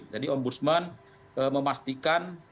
jadi ombudsman memastikan bahwa